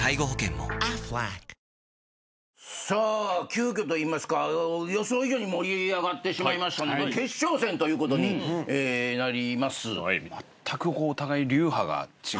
急きょといいますか予想以上に盛り上がってしまいました。ということになります。